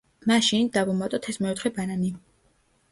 მაშინ, დავუმატოთ ეს მეოთხე ბანანი.